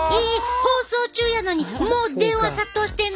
放送中やのにもう電話殺到してんの？